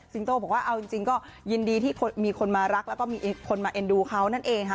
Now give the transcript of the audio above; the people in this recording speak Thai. โต้บอกว่าเอาจริงก็ยินดีที่มีคนมารักแล้วก็มีคนมาเอ็นดูเขานั่นเองค่ะ